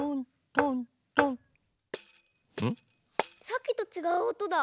さっきとちがうおとだ。